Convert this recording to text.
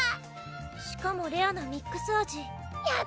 しかもレアなミックス味やったね！